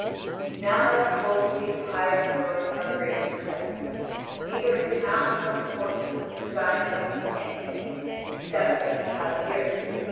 Now I have told you the entire story of our great distress. Neither in town nor in fortress has the giant left us anything, except what we have here.